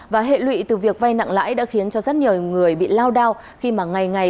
và hệ lụy từ việc vay nặng lãi đã khiến cho rất nhiều người bị lao đao khi mà ngày ngày